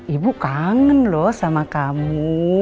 ibu kangen loh sama kamu